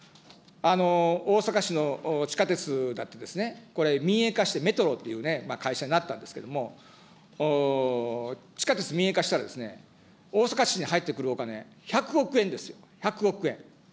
大阪市の地下鉄だって、これ、民営化してメトロっていうね、会社になったんですけれども、地下鉄民営化したら、大阪市に入ってくるお金、１００億円ですよ、１００億円。